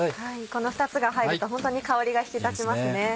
この２つが入るとホントに香りが引き立ちますね。